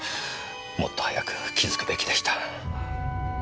もっと早く気づくべきでした。